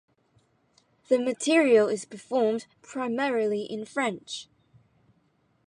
The material is performed primarily in French.